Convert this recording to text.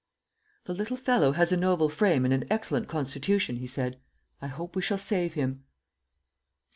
"The little fellow has a noble frame and an excellent constitution," he said; "I hope we shall save him."